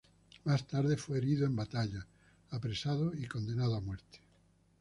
Más tarde fue herido en batalla, apresado y condenado a muerte.